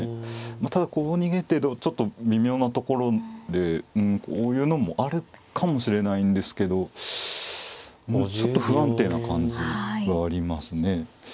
まあただこう逃げてちょっと微妙なところでこういうのもあるかもしれないんですけどもうちょっと不安定な感じがありますね。